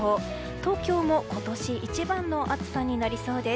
東京も今年一番の暑さになりそうです。